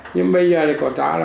nhưng bây giờ thì còn ta là